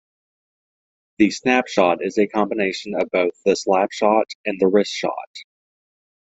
The snap shot is a combination of both the slap-shot and the wrist shot.